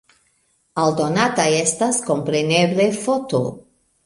Aldonata estas, kompreneble, foto.